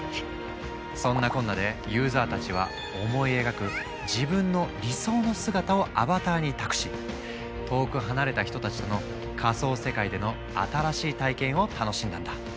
そんなこんなでユーザーたちは思い描く自分の理想の姿をアバターに託し遠く離れた人たちとの仮想世界での新しい体験を楽しんだんだ。